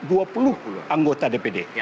dua puluh anggota dpr dpr